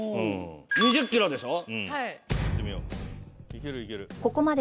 ２０キロでしょ？